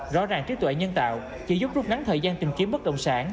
rõ ràng trí tuệ nhân tạo chỉ giúp rút ngắn thời gian tìm kiếm bất động sản